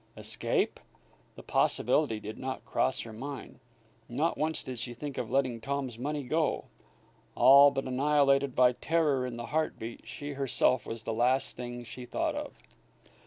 Escape? The possibility did not cross her mind. Not once did she think of letting Tom's money go. All but annihilated by terror in that heartbeat, she herself was the last thing she thought of.